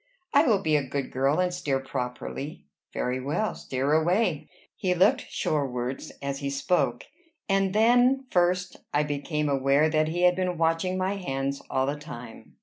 "I will be a good girl, and steer properly." "Very well; steer away." He looked shorewards as he spoke; and then first I became aware that he had been watching my hands all the time.